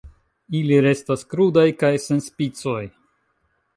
Ili restas krudaj kaj sen spicoj.